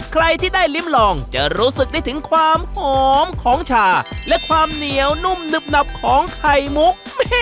ใครที่ได้ลิ้มลองจะรู้สึกได้ถึงความหอมของชาและความเหนียวนุ่มหนึบหนับของไข่มุก